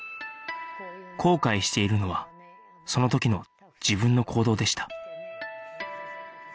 後悔しているのはその時の自分の行動でした